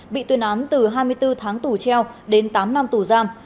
bị tuyên án từ hai mươi bốn tháng tù treo đến tám năm tù giam